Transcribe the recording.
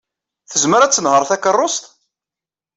Tezmer ad tenheṛ takeṛṛust?